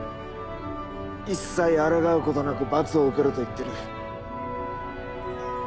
一切あらがうことなく罰を受けると言ってる。